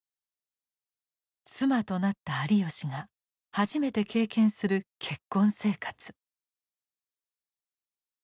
「妻」となった有吉が初めて経験する結婚生活。